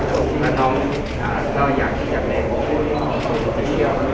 ถ้าน้องก็อยากอยู่กับแม่